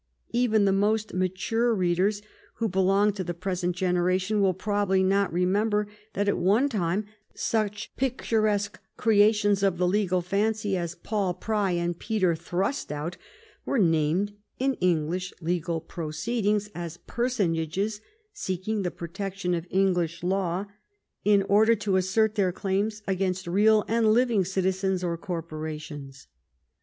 Even the more mature readers who be long to the present generation will probably not remem ber that at one time such picturesque creations of the legal fancy as Paul Pry and Peter Thrustout were named in English legal proceedings as personages seek ing the protection of English law in order to assert their claims against real and living citizens or corpora tions.